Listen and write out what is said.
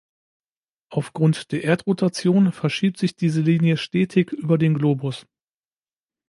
Aufgrund der Erdrotation verschiebt sich diese Linie stetig über den Globus.